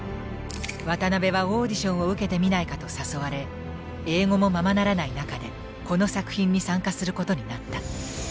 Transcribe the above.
渡辺はオーディションを受けてみないかと誘われ英語もままならない中でこの作品に参加することになった。